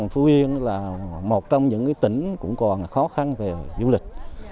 phú yên là một trong những tỉnh cũng còn khó khăn về du lịch